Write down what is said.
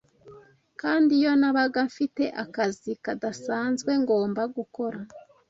Kandi iyo nabaga mfite akazi kadasanzwe ngomba gukora